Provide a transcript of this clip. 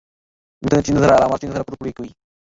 মিঠুনের চিন্তাধারা আর আমার চিন্তাধারা পুরোপুরি একই।